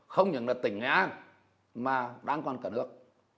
không những là tỉnh nghệ an mà đang còn cả nước